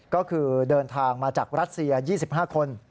ก็คือเดินทางมาจากรัสเซีย๒๕คน